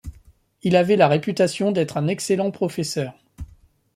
Il avait la réputation d'être un excellent professeur.